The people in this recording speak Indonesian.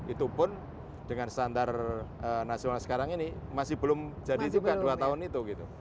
itu pun dengan standar nasional sekarang ini masih belum jadi juga dua tahun itu